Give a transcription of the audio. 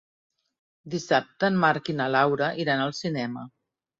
Dissabte en Marc i na Laura iran al cinema.